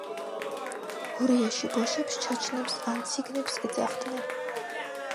გურიაში ბოშებს ჩაჩნებს ან ციგნებს ეძახდნენ.